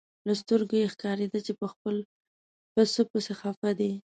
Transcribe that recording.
له سترګو یې ښکارېده چې په خپل پسه پسې خپه دی.